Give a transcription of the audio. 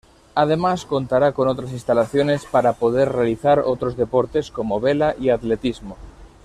Además contará con otras instalaciones para poder realizar otros deportes, como vela y atletismo.